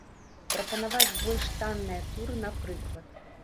Прапанаваць больш танныя туры, напрыклад.